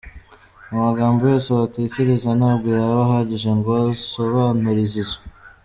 "Amagambo yose watekereza ntabwo yaba ahagije ngo usobanure Zizou.